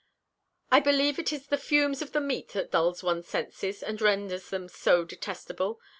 "I believe it is the fumes of the meat that dulls one's senses, and renders them so detestable.